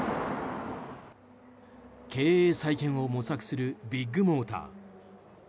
経営再建を模索するビッグモーター。